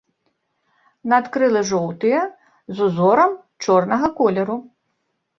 Надкрылы жоўтыя, з узорам чорнага колеру.